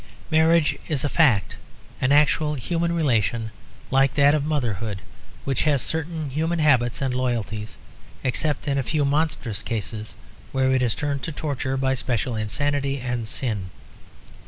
Marriage is a fact, an actual human relation like that of motherhood which has certain human habits and loyalties, except in a few monstrous cases where it is turned to torture by special insanity and sin.